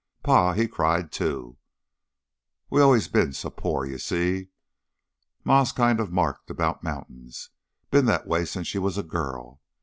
Pa he cried, too, we'd allus been so pore You see, Ma's kind of marked about mountains been that way since she was a girl.